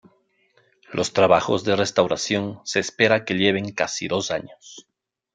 Los trabajos de restauración se espera que lleven casi dos años.